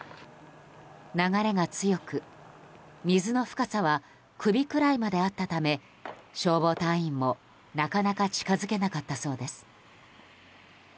流れが強く、水の深さは首くらいまであったため消防隊員も、なかなか近づけなかったそうです。